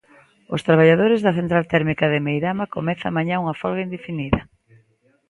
Os traballadores da central térmica de Meirama comezan mañá unha folga indefinida.